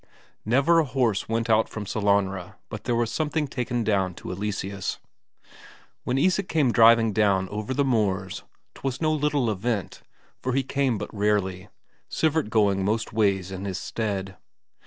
Never a horse went out from Sellanraa but there was something taken down to Eleseus. When Isak came driving down over the moors, 'twas no little event, for he came but rarely, Sivert going most ways in his stead.